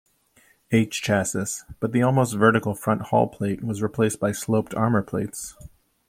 H chassis, but the almost-vertical front hull plate was replaced by sloped armor plates.